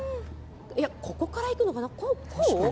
ここからいくのかな？